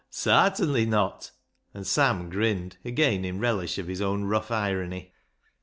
sartinly not !" and Sam grinned again in relish of his own rough irony.